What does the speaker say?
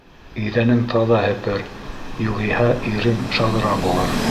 Иҙәнең таҙа һепер, юғиһә ирең шаҙра булыр.